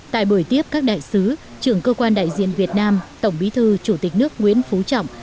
tại buổi tiếp các đại sứ trưởng cơ quan đại diện việt nam tổng bí thư chủ tịch nước nguyễn phú trọng